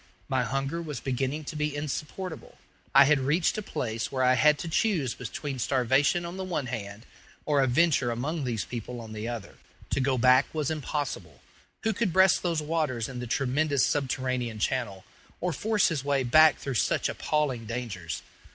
My hunger was beginning to be insupportable. I had reached a place where I had to choose between starvation on the one hand, or a venture among these people on the other. To go back was impossible. Who could breast those waters in the tremendous subterranean channel, or force his way back through such appalling dangers?